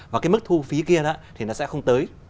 và cái mức thu phí kia thì nó sẽ không tới